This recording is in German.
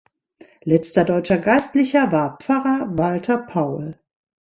Letzter deutscher Geistlicher war Pfarrer "Walter Paul".